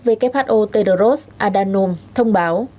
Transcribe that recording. who tedros adhanom thông báo